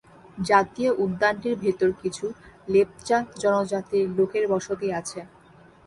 জাতীয় উদ্যানটির ভিতর কিছু লেপচা জনজাতির লোকের বসতি আছে।